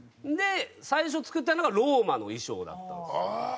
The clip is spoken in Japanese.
最初作ったのがローマの衣装だったんですよ。